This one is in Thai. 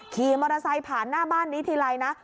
ขี่มอเตอร์ไซค์ผ่านหน้าบ้านนี้ทีไรนะ